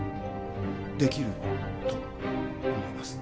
できると思います。